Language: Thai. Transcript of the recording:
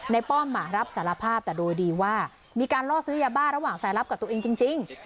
ป้อมรับสารภาพแต่โดยดีว่ามีการล่อซื้อยาบ้าระหว่างสายลับกับตัวเองจริง